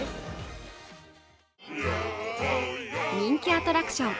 アトラクション